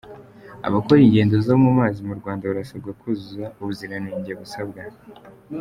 Abakora ingendo zo mu mazi mu Rwanda barasabwa kuzuza ubuzirangenge busabwa